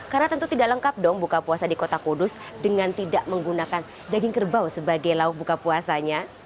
karena tentu tidak lengkap dong buka puasa di kota kudus dengan tidak menggunakan daging kerbau sebagai lauk buka puasanya